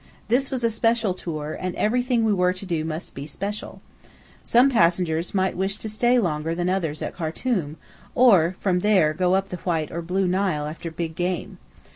This was a special tour, and everything we were to do must be special. Some passengers might wish to stay longer than others at Khartum, or from there go up the White or Blue Nile after Big Game.